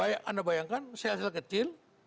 anda bayangkan sel sel kecil